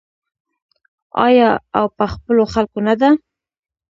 آیا او په خپلو خلکو نه ده؟